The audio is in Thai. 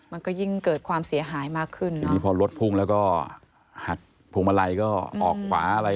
มันก็ยิ่งเกิดความเสียหายมากขึ้นทีนี้พอรถพุ่งแล้วก็หักพวงมาลัยก็ออกขวาอะไร